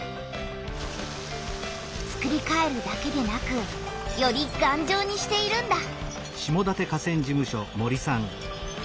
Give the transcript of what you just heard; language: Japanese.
つくりかえるだけでなくよりがんじょうにしているんだ。